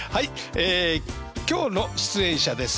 ええ今日の出演者です。